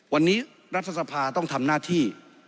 วันนี้รัฐสภาต้องทำหน้าที่